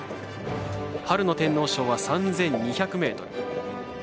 春の天皇賞は３２００ｍ。